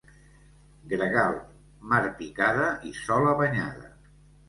Gregal, mar picada i sola banyada.